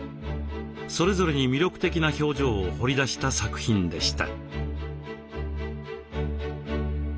それぞれに魅力的な表情を彫りだした作品でした。